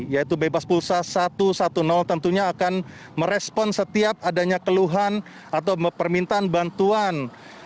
yaitu bebas pulsa satu ratus sepuluh tentunya akan merespon setiap adanya keluhan atau permintaan bantuan